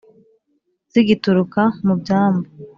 Zigituruka mu byambu;